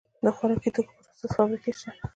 د خوراکي توکو پروسس فابریکې شته